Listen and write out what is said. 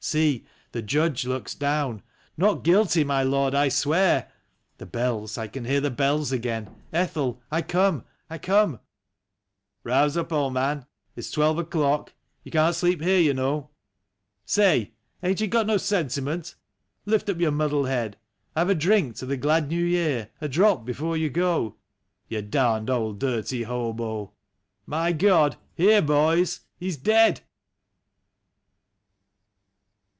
. See ! the Judge looks down ... Not Guilty, my Lord, I swear ... The bells, I can hear the bells again ... Ethel, I come, I come! ...'•' Rouse up, old man, it's twelve o'clock. You can't sleep here, you know. Say! ain't you got no sentiment? Lift up your muddled head; Have a drink to the glad ISTew Year, a drop before you go— You darned old dirty hobo ... My God! Here, boys ! He's dead